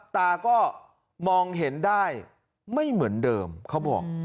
ตาก็มองเห็นได้ไม่เหมือนเดิมเขาบอก